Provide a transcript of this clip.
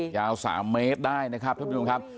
ยาว๓เมตรได้นะครับ